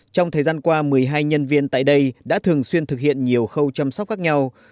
trong thời gian qua một mươi hai nhân viên tại đây đã thường xuyên thực hiện nhiều khâu chăm sóc khác nhau